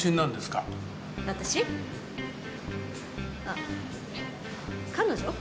あっ彼女？